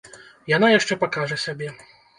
Яна яшчэ пакажа сябе.